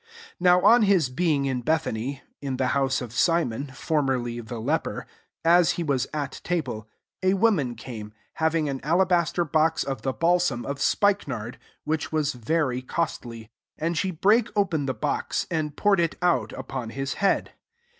3 NOW on his being, in Be* thany, (in the house of Simon, > formerly the leper,) fts he was at table, a woman cam e,^ having an alabaster box of the balsam of q>ikenard, which was very costly ; and she brake open the box, and poured it out upon his head..